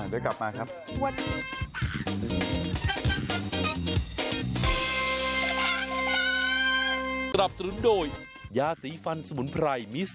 ลึกมากเลยไง